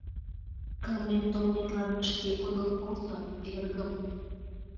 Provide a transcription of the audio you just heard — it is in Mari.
Кылмен толметлан шке подыл колто, эргым!